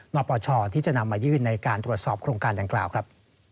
ปปชที่จะนำมายื่นในการตรวจสอบโครงการดังกล่าวครับ